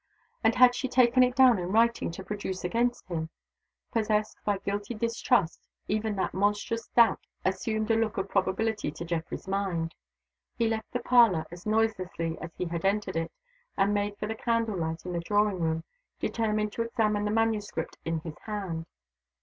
and had she taken it down in writing to produce against him? Possessed by guilty distrust, even that monstrous doubt assumed a look of probability to Geoffrey's mind. He left the parlor as noiselessly as he had entered it, and made for the candle light in the drawing room, determined to examine the manuscript in his hand.